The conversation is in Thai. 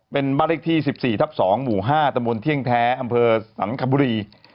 เป็นบริกษที่๑๔ทับ๒หมู่๕ตมเที่ยงแท้อำเภอสรรคบุรี